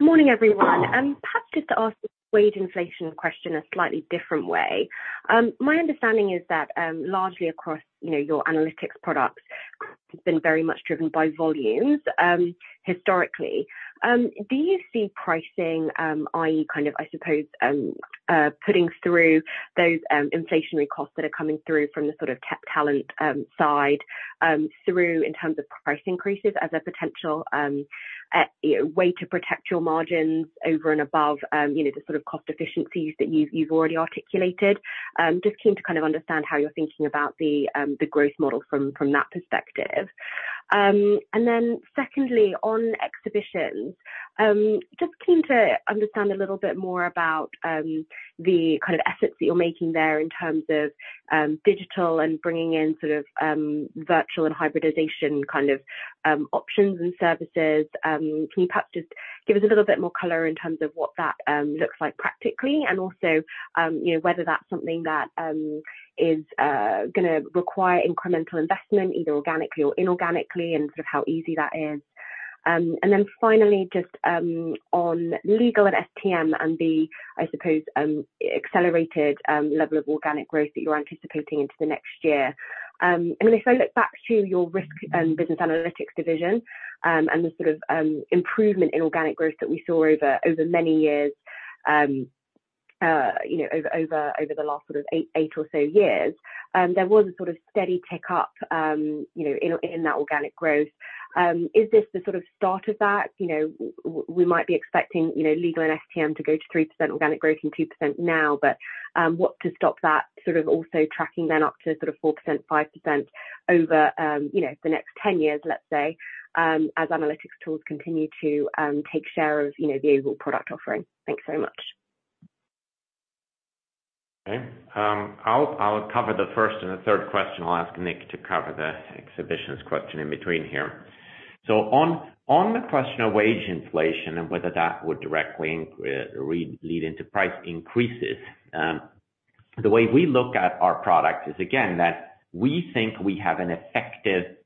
Morning, everyone. Perhaps just to ask the wage inflation question a slightly different way. My understanding is that, largely across, you know, your analytics products have been very much driven by volumes, historically. Do you see pricing, i.e., kind of, I suppose, putting through those, inflationary costs that are coming through from the sort of tech talent, side, through in terms of price increases as a potential, you know, way to protect your margins over and above, you know, the sort of cost efficiencies that you've already articulated? Just keen to kind of understand how you're thinking about the growth model from, that perspective. Secondly, on Exhibitions, just keen to understand a little bit more about the kind of efforts that you're making there in terms of digital and bringing in sort of virtual and hybridization kind of options and services. Can you perhaps just give us a little bit more color in terms of what that looks like practically and also, you know, whether that's something that is gonna require incremental investment, either organically or inorganically, and sort of how easy that is. Finally, just on Legal and STM and the, I suppose, accelerated level of organic growth that you're anticipating into the next year. I mean, if I look back to your Risk & Business Analytics division, and the sort of improvement in organic growth that we saw over many years, you know, over the last sort of eight or so years, there was a sort of steady tick-up, you know, in that organic growth. Is this the sort of start of that? You know, we might be expecting, you know, Legal and STM to go to 3% organic growth and 2% now. But what's to stop that sort of also tracking up to sort of 4%, 5% over, you know, the next 10 years, let's say, as analytics tools continue to take share of, you know, the overall product offering. Thanks so much. Okay. I'll cover the first and the third question. I'll ask Nick to cover the Exhibitions question in between here. On the question of wage inflation and whether that would directly increase or lead into price increases, the way we look at our products is again that we think we have an effective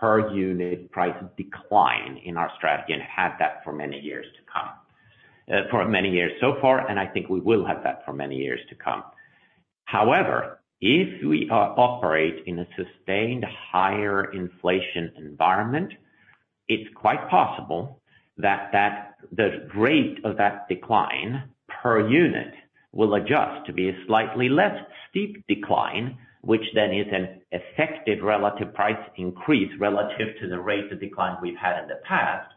per unit price decline in our strategy and have that for many years to come. For many years so far, and I think we will have that for many years to come. However, if we operate in a sustained higher inflation environment, it's quite possible that the rate of that decline per unit will adjust to be a slightly less steep decline, which then is an effective relative price increase relative to the rate of decline we've had in the past.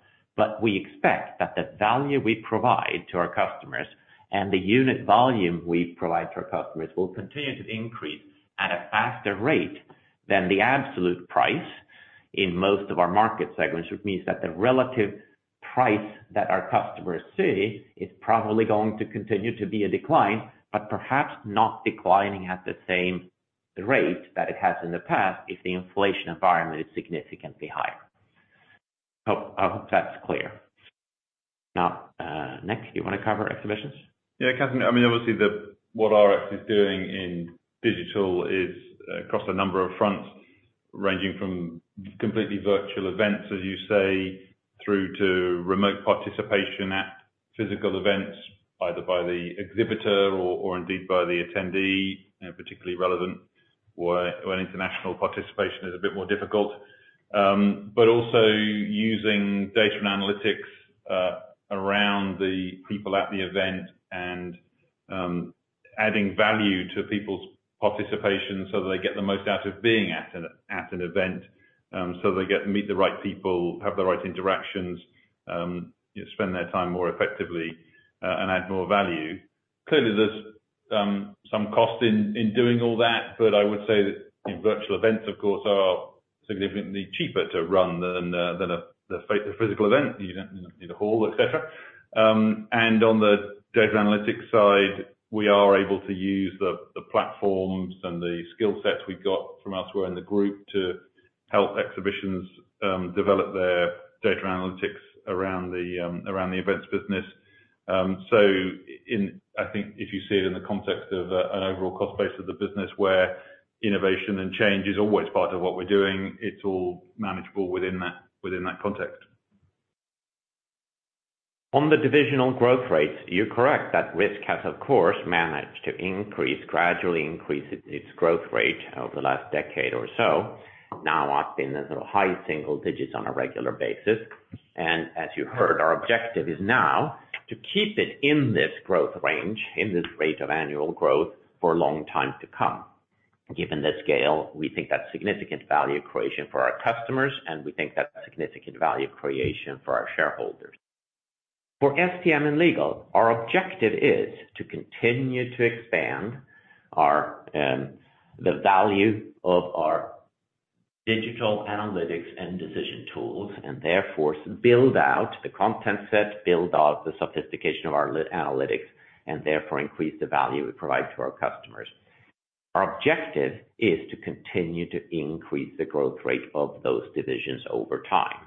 We expect that the value we provide to our customers and the unit volume we provide to our customers will continue to increase at a faster rate than the absolute price in most of our market segments, which means that the relative price that our customers see is probably going to continue to be a decline, but perhaps not declining at the same rate that it has in the past if the inflation environment is significantly higher. I hope that's clear. Now, Nick, you wanna cover Exhibitions? Yeah, Catherine, I mean, obviously what RX is doing in digital is across a number of fronts, ranging from completely virtual events, as you say, through to remote participation at physical events, either by the exhibitor or indeed by the attendee, you know, particularly relevant where international participation is a bit more difficult. Also using data and analytics around the people at the event and adding value to people's participation so they get the most out of being at an event so they get to meet the right people, have the right interactions, spend their time more effectively and add more value. Clearly there's some cost in doing all that, but I would say that the virtual events, of course, are significantly cheaper to run than a physical event. You don't need a hall, et cetera. On the data analytics side, we are able to use the platforms and the skill sets we've got from elsewhere in the group to help Exhibitions develop their data analytics around the events business. I think if you see it in the context of an overall cost base of the business where innovation and change is always part of what we're doing, it's all manageable within that context. On the divisional growth rates, you're correct that Risk has, of course, managed to increase, gradually increase its growth rate over the last decade or so. Now up in the sort of high single digits on a regular basis. As you heard, our objective is now to keep it in this growth range, in this rate of annual growth for a long time to come. Given the scale, we think that's significant value creation for our customers, and we think that's significant value creation for our shareholders. For STM and Legal, our objective is to continue to expand our, the value of our digital analytics and decision tools, and therefore build out the content set, build out the sophistication of our analytics, and therefore increase the value we provide to our customers. Our objective is to continue to increase the growth rate of those divisions over time.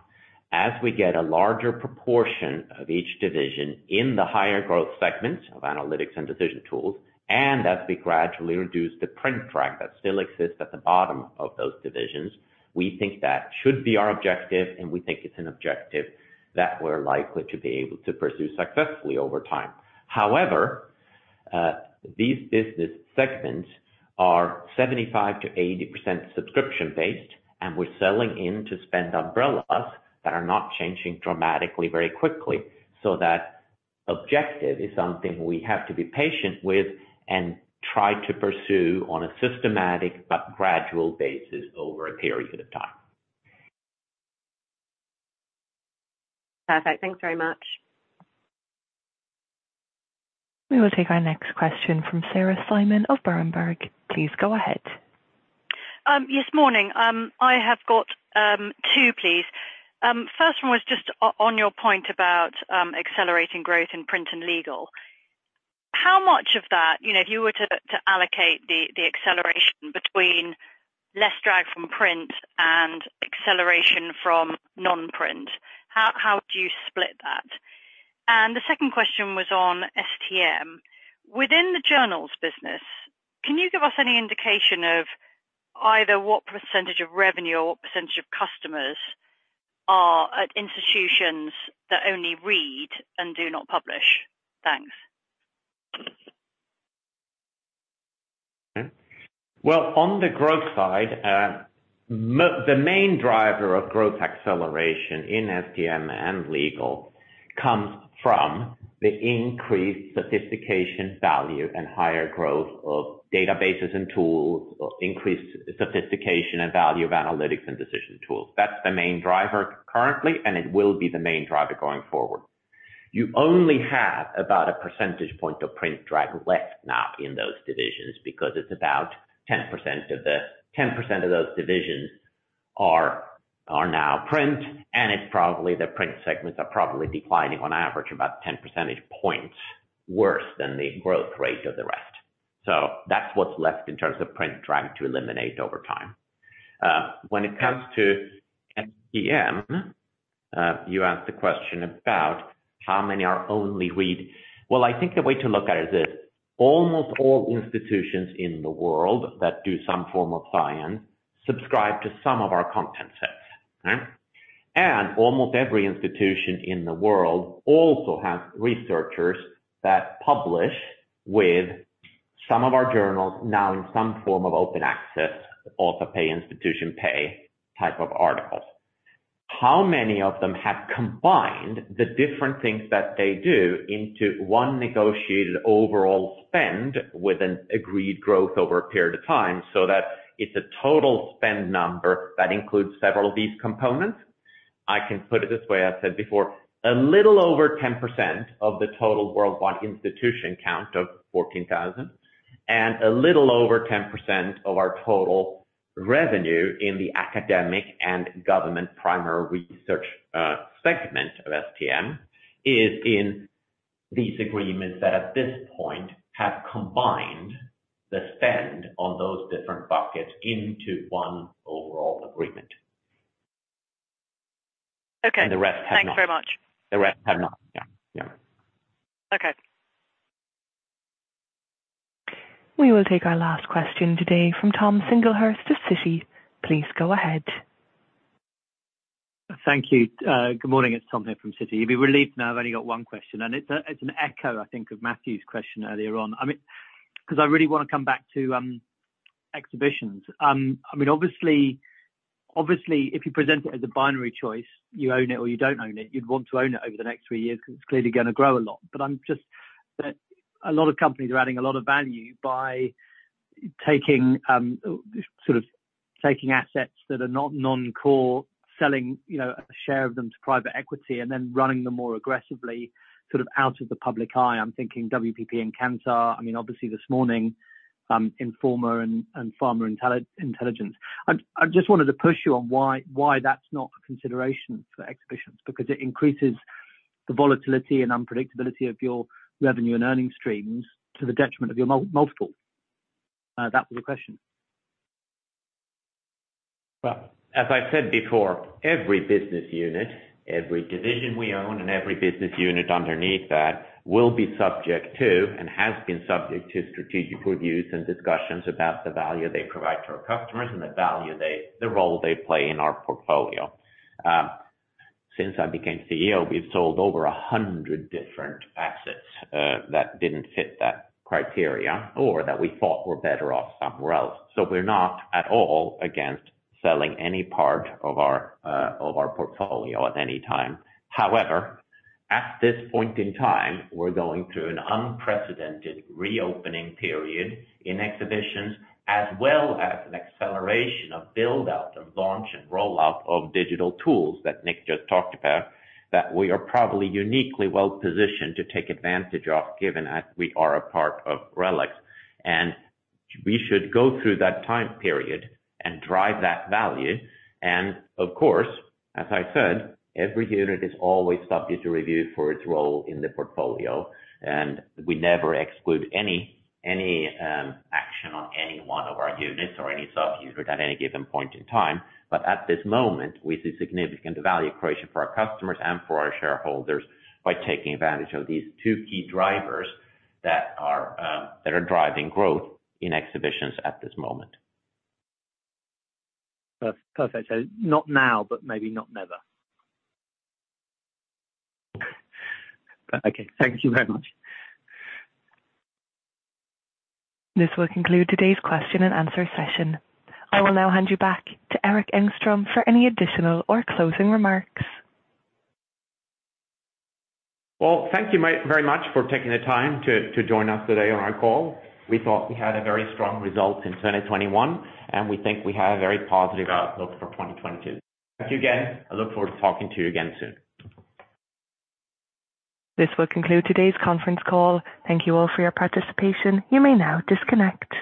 As we get a larger proportion of each division in the higher growth segments of analytics and decision tools, and as we gradually reduce the print drag that still exists at the bottom of those divisions, we think that should be our objective, and we think it's an objective that we're likely to be able to pursue successfully over time. However, these business segments are 75%-80% subscription-based, and we're selling into spend umbrellas that are not changing dramatically very quickly. That objective is something we have to be patient with and try to pursue on a systematic but gradual basis over a period of time. Perfect. Thanks very much. We will take our next question from Sarah Simon of Berenberg. Please go ahead. Yes, morning. I have got two, please. First one was just on your point about accelerating growth in Print and Legal. How much of that, you know, if you were to allocate the acceleration between less drag from print and acceleration from non-print, how do you split that? The second question was on STM. Within the journals business, can you give us any indication of either what percentage of revenue or what percentage of customers are at institutions that only read and do not publish? Thanks. Okay. Well, on the growth side, the main driver of growth acceleration in STM and Legal comes from the increased sophistication, value, and higher growth of databases and tools, or increased sophistication and value of analytics and decision tools. That's the main driver currently, and it will be the main driver going forward. You only have about a percentage point of print drag left now in those divisions because it's about 10% of those divisions are now Print, and it's probably the Print segments are declining on average about 10 percentage points worse than the growth rate of the rest. That's what's left in terms of print drag to eliminate over time. When it comes to STM, you asked the question about how many are only read. Well, I think the way to look at it is this, almost all institutions in the world that do some form of science subscribe to some of our content sets. Almost every institution in the world also has researchers that publish with some of our journals, now in some form of open access, author-pay, institution-pay type of articles. How many of them have combined the different things that they do into one negotiated overall spend with an agreed growth over a period of time, so that it's a total spend number that includes several of these components? I can put it this way, I've said before, a little over 10% of the total worldwide institution count of 14,000 and a little over 10% of our total revenue in the academic and government primary research segment of STM is in these agreements that at this point have combined the spend on those different buckets into one overall agreement. Okay. The rest have not. Thanks very much. The rest have not. Yeah. Yeah. Okay. We will take our last question today from Tom Singlehurst of Citi. Please go ahead. Thank you. Good morning. It's Tom here from Citi. You'll be relieved to know I've only got one question, and it's an echo, I think, of Matthew's question earlier on. I mean, 'cause I really wanna come back to Exhibitions. I mean, obviously, if you present it as a binary choice, you own it or you don't own it, you'd want to own it over the next three years 'cause it's clearly gonna grow a lot. But I'm just. A lot of companies are adding a lot of value by taking sort of, taking assets that are non-core, selling, you know, a share of them to private equity and then running them more aggressively sort of out of the public eye. I'm thinking WPP and Kantar. I mean, obviously this morning, Informa and Pharma Intelligence. I just wanted to push you on why that's not a consideration for Exhibitions because it increases the volatility and unpredictability of your revenue and earnings streams to the detriment of your multiple. That was the question. Well, as I said before, every business unit, every division we own and every business unit underneath that will be subject to and has been subject to strategic reviews and discussions about the value they provide to our customers and the role they play in our portfolio. Since I became CEO, we've sold over 100 different assets that didn't fit that criteria or that we thought were better off somewhere else. We're not at all against selling any part of our portfolio at any time. However, at this point in time, we're going through an unprecedented reopening period in Exhibitions, as well as an acceleration of build-out and launch and rollout of digital tools that Nick just talked about, that we are probably uniquely well positioned to take advantage of, given that we are a part of RELX. We should go through that time period and drive that value. Of course, as I said, every unit is always subject to review for its role in the portfolio, and we never exclude any action on any one of our units or any sub-unit at any given point in time. At this moment, we see significant value creation for our customers and for our shareholders by taking advantage of these two key drivers that are driving growth in Exhibitions at this moment. Perfect. Not now, but maybe not never. Okay, thank you very much. This will conclude today's question and answer session. I will now hand you back to Erik Engstrom for any additional or closing remarks. Well, thank you mate, very much for taking the time to join us today on our call. We thought we had a very strong result in 2021, and we think we have a very positive outlook for 2022. Thank you again. I look forward to talking to you again soon. This will conclude today's conference call. Thank you all for your participation. You may now disconnect.